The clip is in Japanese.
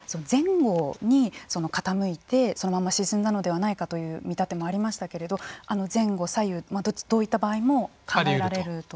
ＶＴＲでは前後に傾いてそのまま沈んだのではないかという見立てもありましたけれど前後、左右、どういった場合も考えられると。